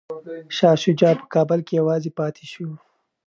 شاه شجاع په کابل کي یوازې پاتې شو.